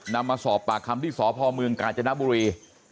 มาสอบปากคำที่สพเมืองกาญจนบุรี